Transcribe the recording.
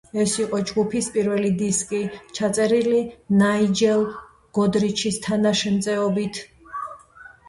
ეს იყო ჯგუფის პირველი დისკი, ჩაწერილი ნაიჯელ გოდრიჩის თანაშემწეობით.